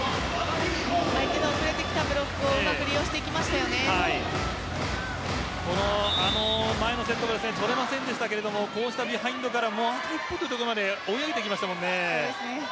相手の攻めてきたブロックを前のセットは取れませんでしたがこうしたビハインドからあと一歩というところまで追い上げましたもんね。